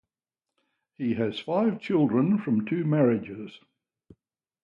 He has five children from two marriages.